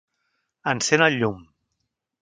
Encén el llum